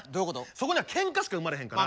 そこにはケンカしか生まれへんから。